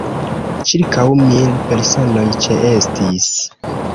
Ĉirkaŭ mil personoj ĉeestis.